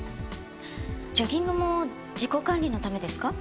ジョギングも自己管理のためですか？